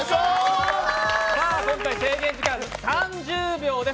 今回、制限時間３０秒です。